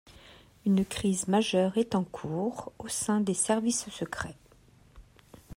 Une crise majeure est en cours au sein des services secrets.